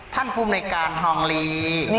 ท่านภูมิการฮองรี